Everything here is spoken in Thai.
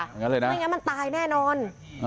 อย่างนั้นเลยนะไม่งั้นมันตายแน่นอน